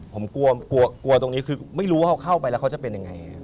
ผมกลัวกลัวตรงนี้คือไม่รู้ว่าเขาเข้าไปแล้วเขาจะเป็นยังไง